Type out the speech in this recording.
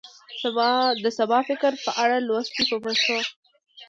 د سبا فکر په اړه لوست دی په پښتو ژبه.